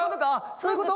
そういうこと？